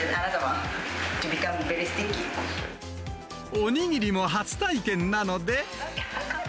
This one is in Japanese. お握りも初体験なので。